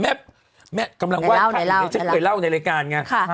แม่แม่กำลังไหว้ภักดิ์เดี๋ยวเกิดเล่าในรายการไง